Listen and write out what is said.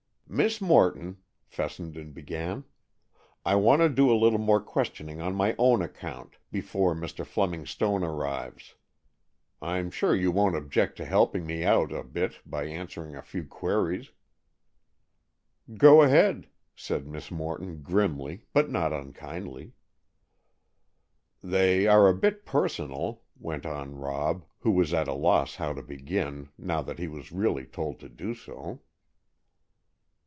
"Miss Morton," Fessenden began, "I want to do a little more questioning on my own account, before Mr. Fleming Stone arrives. I'm sure you won't object to helping me out a bit by answering a few queries." "Go ahead," said Miss Morton grimly, but not unkindly. "They are a bit personal," went on Rob, who was at a loss how to begin, now that he was really told to do so.